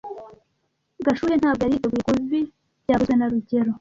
Gashuhe ntabwo yari yiteguye kubi byavuzwe na rugero